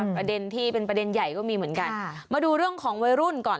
ประเด็นที่เป็นประเด็นใหญ่ก็มีเหมือนกันมาดูเรื่องของวัยรุ่นก่อน